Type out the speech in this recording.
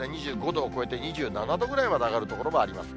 ２５度を超えて、２７度ぐらいまで上がる所もあります。